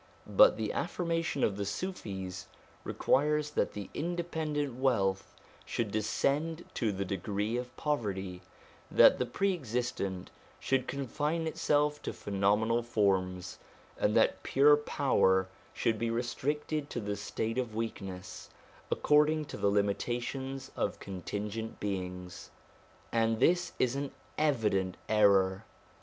But the affirmation of the Sufis requires that the Independent Wealth should descend to the degree of poverty, that the Pre existent should con fine itself to phenomenal forms, and that Pure Power should be restricted to the state of weakness, according to the limitations of contingent beings. And this is an evident error.